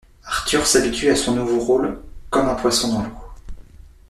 Arthur s'habitue à son nouveau rôle comme un poisson dans l'eau.